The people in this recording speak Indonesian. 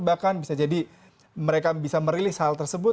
bahkan bisa jadi mereka bisa merilis hal tersebut